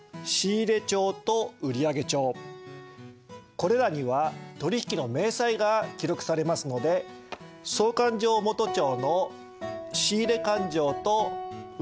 これらには取引の明細が記録されますので総勘定元帳の仕入勘定と売上勘定。